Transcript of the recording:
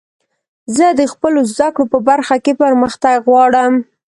زه د خپلو زدکړو په برخه کښي پرمختګ غواړم.